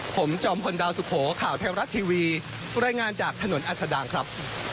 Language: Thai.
ผมจอมพลดาวสุโขข่าวเทวรัฐทีวีรายงานจากถนนอัศดังครับ